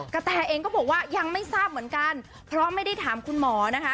แตเองก็บอกว่ายังไม่ทราบเหมือนกันเพราะไม่ได้ถามคุณหมอนะคะ